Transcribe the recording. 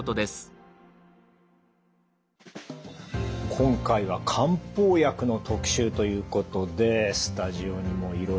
今回は漢方薬の特集ということでスタジオにもいろいろ並んでますね。